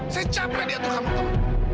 saya capek diatur kamu tom